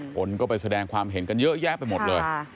คนก็ไปแสดงความเห็นกันเยอะแยะไปหมดเลย